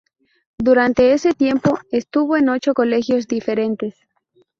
Durante ese tiempo, estuvo en ocho colegios diferentes.